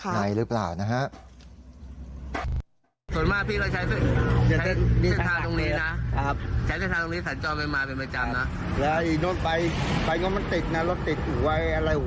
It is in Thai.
ถ้าเงินให้คุณครับถ้าเห็นพี่คิดว่าน่าจะเกิดจากอะไร